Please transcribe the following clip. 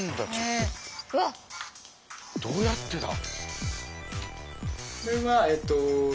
どうやってだ？